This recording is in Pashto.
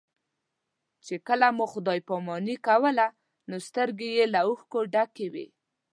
چې کله مو خدای پاماني کوله نو سترګې یې له اوښکو ډکې وې.